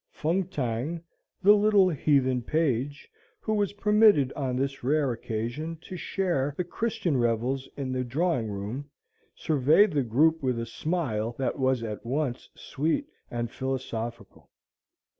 Fung Tang, the little heathen page, who was permitted, on this rare occasion, to share the Christian revels in the drawing room, surveyed the group with a smile that was at once sweet and philosophical.